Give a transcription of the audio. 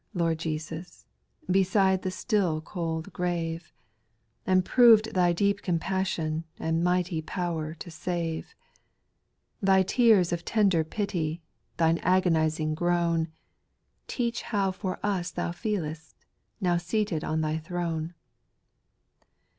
Lord Jesus, J . Beside the still cold grave ; SPIRITUAL SONGS. 429 And proved Thy deep compassion, And mighty power to save. Thy tears of tender pity, Thine agonizing groan. Teach how for us Thou feelest, Now seated on Thy throne.